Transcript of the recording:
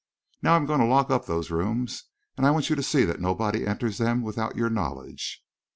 Now, I am going to lock up those rooms, and I want you to see that nobody enters them without your knowledge."